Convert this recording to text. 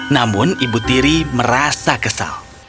namun ibu tiri merasa kesal